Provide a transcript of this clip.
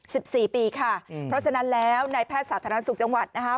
สิบสี่ปีค่ะอืมเพราะฉะนั้นแล้วในแพทย์สาธารณสุขจังหวัดนะคะ